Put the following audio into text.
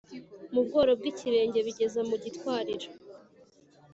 mu bworo bw’ibirenge bigeza mu gitwariro